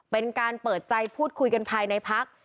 เป็นการเปิดใจพูดคุยกันภายในพัก